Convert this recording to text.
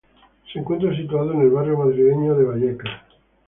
Se encuentra situado en el barrio madrileño de Vallecas.